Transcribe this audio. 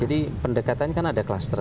jadi pendekatan kan ada kluster